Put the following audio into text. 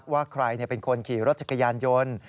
ว่าใครเป็นคนขี่รถจักรยานยนต์